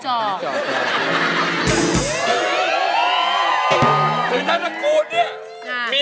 ถือจากตระกูลเนี่ย